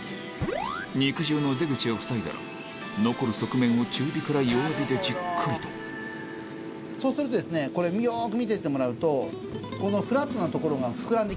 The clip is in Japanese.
肉汁の出口をふさいだら残る側面を中火から弱火でじっくりとそうするとですねこれよく見ていてもらうとこのフラットな所が膨らんできます。